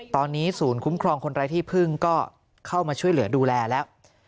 ตอนนี้ศูนย์คุ้มครองคนไร้ที่พึ่งก็เข้ามาช่วยเหลือดูแลแล้ว